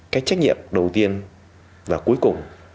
cái trách nhiệm đầu tiên và cuối cùng